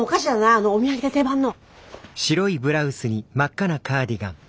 あのお土産が定番の。